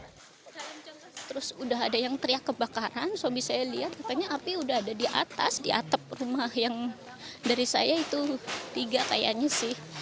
terus udah ada yang teriak kebakaran suami saya lihat katanya api udah ada di atas di atap rumah yang dari saya itu tiga kayaknya sih